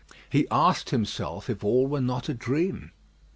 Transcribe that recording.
He asked himself if all were not a dream?